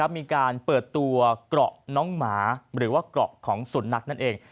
มีการเปิดตัวเกราะน้องหมาหรือว่าเกราะของสุนัขนั่นเอง